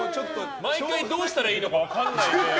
毎回どうしたらいいか分かんないで。